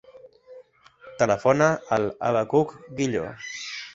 Telefona al Abacuc Guillo.